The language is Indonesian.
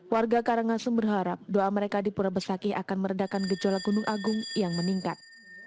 warga karangasem berharap doa mereka di pura besakih akan meredakan gejolak gunung agung yang meningkat